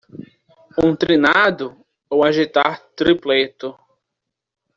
Um trinado? ou agitar tripleto.